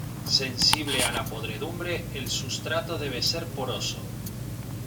Sensible a la podredumbre, el sustrato debe ser poroso.